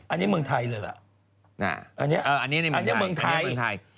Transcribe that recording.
อันนี้เมืองไทยเลยแหละ